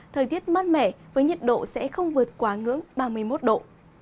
thời tiết mát mẻ với nhiệt độ sẽ không vượt quá ngưỡng ba mươi một độ